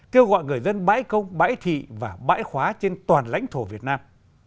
kêu gọi người dân bãi công bãi thị và bãi khóa trên toàn lãnh thổ việt nam